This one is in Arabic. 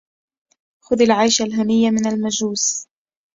خذ العيش الهني من المجوس